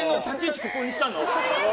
ここにしたの？